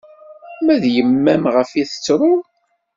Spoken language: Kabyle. Ma d yemma-m ɣef i tettruḍ?